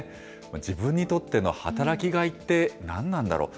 自分にとっての働きがいって何なんだろう？